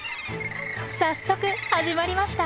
早速始まりました。